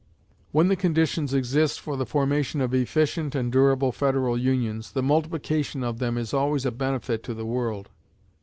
When the conditions exist for the formation of efficient and durable federal unions, the multiplication of them is always a benefit to the world.